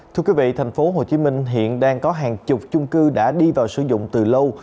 thưa quý vị tp hcm hiện đang có hàng chục chung cư đã đi vào sử dụng từ lâu